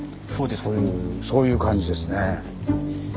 そういう感じですね。